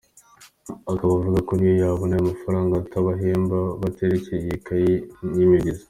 Akaba avuga ko niyo yabona aya mafaranga atabahemba baterekanye iyi kayi y’imibyizi.